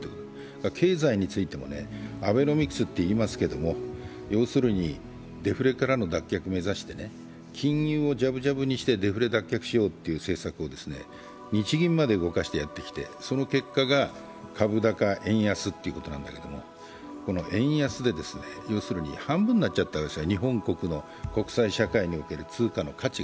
経済についてもアベノミクスっていいますけども要するにデフレからの脱却を目指して金融をじゃぶじゃぶにしてデフレ脱却しようとする政策を日銀まで動かしてやってきてその結果が株高円安ということなんだけど、この円安で要するに、半分になっちゃったわけです日本国の国際社会における通貨が。